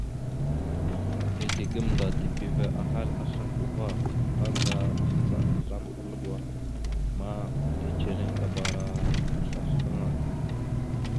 Izle gamnda tipiva ahal a slako ava, taŋga mahəca azlam algo ma, teceliŋ akabara aslasl aŋa.